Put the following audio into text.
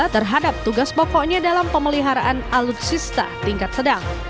terhadap tugas pokoknya dalam pemeliharaan alutsista tingkat sedang